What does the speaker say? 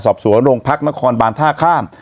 สอบสวนโรงพรรคบันที่นันฮขอร์บถ้าข้าม